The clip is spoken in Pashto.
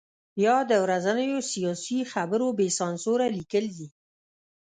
یا د ورځنیو سیاسي خبرو بې سانسوره لیکل دي.